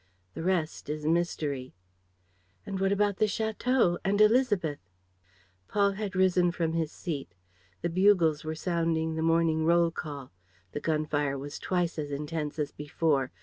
The rest is mystery." "And what about the château? And Élisabeth?" Paul had risen from his seat. The bugles were sounding the morning roll call. The gun fire was twice as intense as before.